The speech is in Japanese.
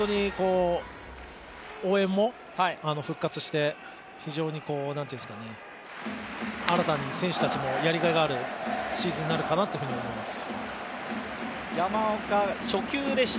応援も復活して、非常に新たに選手たちもやりがいがあるシーズンになるかなというふうに思います。